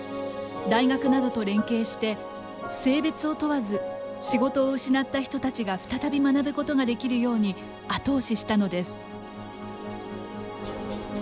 大学などと連携して性別を問わず仕事を失った人たちが再び学ぶことができるように後押ししたのです。